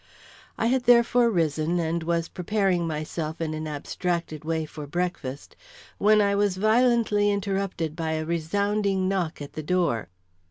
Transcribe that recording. I had therefore risen and was preparing myself in an abstracted way for breakfast, when I was violently interrupted by a resounding knock at the door.